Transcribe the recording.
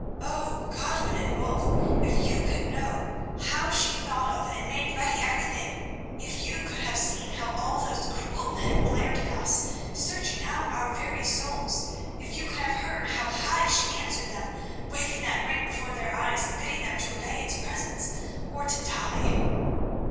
"Oh, Godwin and Wulf! if you could know how she thought of and made ready everything; if you could have seen how all those cruel men glared at us, searching out our very souls! If you could have heard how high she answered them, waving that ring before their eyes and bidding them to obey its presence, or to die!"